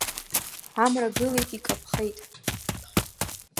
Амра гылеит, икаԥхеит.